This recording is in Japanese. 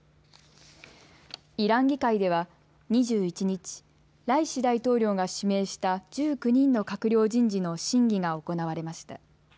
イラン議会では２１日、ライシ大統領が指名した１９人の閣僚人事の審議が行われました。